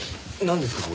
なんですか？